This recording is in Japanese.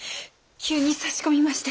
急に差し込みまして。